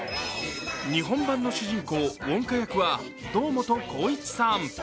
日本版の主人公・ウォンカ役は堂本光一さん。